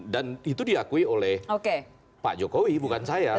dan itu diakui oleh pak jokowi bukan saya